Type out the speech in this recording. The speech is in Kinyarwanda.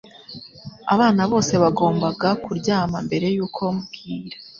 Abana bose bagombaga kuryama mbere yuko bwira.